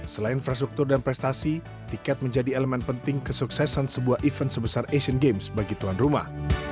selain infrastruktur dan prestasi tiket menjadi elemen penting kesuksesan sebuah event sebesar asian games bagi tuan rumah